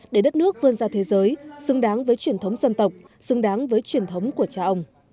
để đất nước vươn ra thế giới xứng đáng với truyền thống dân tộc xứng đáng với truyền thống của cha ông